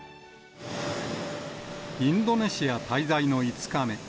インドネシア滞在の５日目。